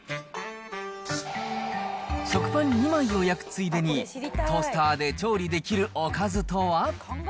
食パン２枚を焼くついでに、トースターで調理できるおかずとは。